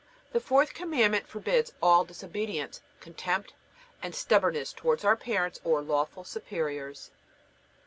The fourth Commandment forbids all disobedience, contempt, and stubbornness towards our parents or lawful superiors.